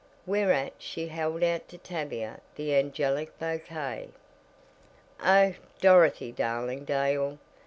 Whereat she held out to Tavia the "angelic" bouquet. "Oh Dorothy Darling Dale!